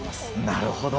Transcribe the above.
なるほど。